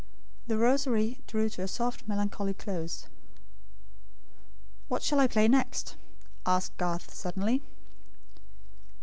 The Rosary drew to a soft melancholy close. "What shall I play next?" asked Garth, suddenly.